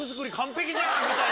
みたいな。